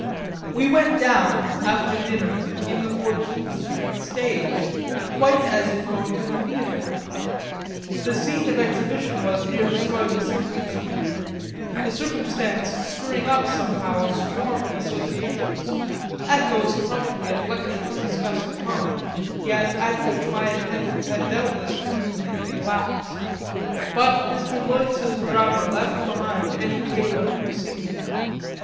We went down, after dinner, in the Fourteenth Street stage, quite as if going to the theatre; the scene of exhibition was near the Stuyvesant Institute (a circumstance stirring up somehow a swarm of associations, echoes probably of lectures discussed at home, yet at which my attendance had doubtless conveniently lapsed,) but Mr. Leutze's drama left behind any paler proscenium.